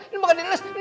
ini bukan di ngelelis